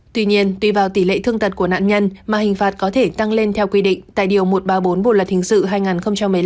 tuy nhiên tùy vào tỷ lệ thương tật của nạn nhân mà hình phạt có thể tăng lên theo quy định tại điều một trăm ba mươi bốn bộ luật hình sự hai nghìn một mươi năm